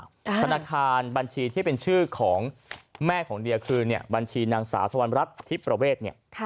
บัญชีเงินฝ่าธนาคารบัญชีที่เป็นชื่อของแม่ของเรียคือบัญชีนางสาธวรรณรัฐทิพย์ประเวศ